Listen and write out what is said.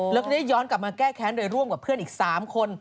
แล้วก็ได้ย้อนกลับมาแก้แค้นโดยร่วมกับเพื่อนอีก๓คน